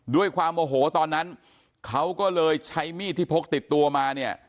ด้วยความโอโหตอนนั้นเขาก็เลยใช้มีดที่พกติดตัวมาเนี่ย